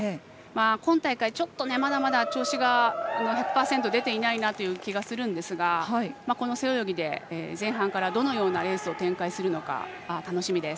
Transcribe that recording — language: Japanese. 今大会、まだまだ調子が１００％出ていないという気がするんですがこの背泳ぎで前半からどのようなレースを展開するのか楽しみです。